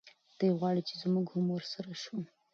دی غواړي چې موږ هم ورسره شو.